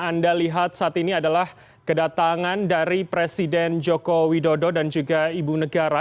anda lihat saat ini adalah kedatangan dari presiden joko widodo dan juga ibu negara